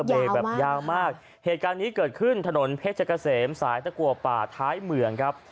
เบรกแบบยาวมากเหตุการณ์นี้เกิดขึ้นถนนเพชรเกษมสายตะกัวป่าท้ายเมืองครับ